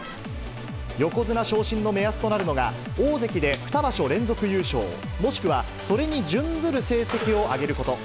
横綱昇進の目安となるのが、大関で２場所連続優勝、もしくはそれに準ずる成績を上げること。